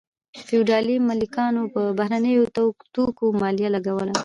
فیوډالي مالکانو په بهرنیو توکو مالیه لګوله.